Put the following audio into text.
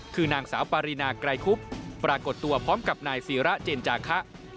คือนางสาวปารีนาไกรคุบปรากฏตัวพร้อมกับนายศิระเจนจาคะ